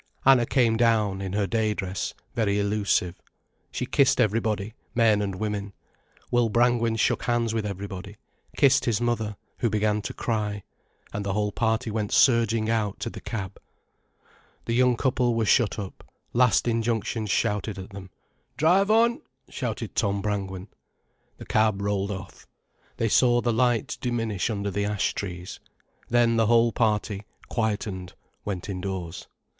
Anna came down, in her day dress, very elusive. She kissed everybody, men and women, Will Brangwen shook hands with everybody, kissed his mother, who began to cry, and the whole party went surging out to the cab. The young couple were shut up, last injunctions shouted at them. "Drive on," shouted Tom Brangwen. The cab rolled off. They saw the light diminish under the ash trees. Then the whole party, quietened, went indoors.